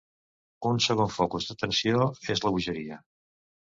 Un segon focus d'atenció és la bogeria.